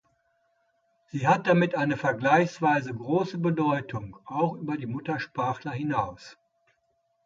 Sie hat damit eine vergleichsweise große Bedeutung, auch über die Muttersprachler hinaus.